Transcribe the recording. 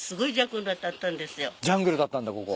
ジャングルだったんだここ。